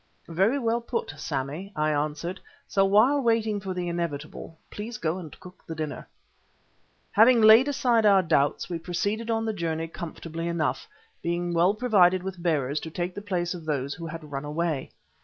"Very well put, Sammy," I answered; "so while waiting for the inevitable, please go and cook the dinner." Having laid aside our doubts, we proceeded on the journey comfortably enough, being well provided with bearers to take the place of those who had run away.